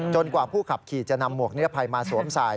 กว่าผู้ขับขี่จะนำหมวกนิรภัยมาสวมใส่